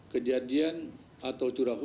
kejadian atau curah hujan